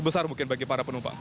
besar mungkin bagi para penumpang